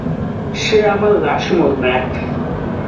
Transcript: সে আমার Rushmore, max.